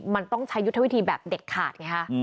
มันต้องใช้ยุทธวิธีแบบเด็ดขาดไงฮะ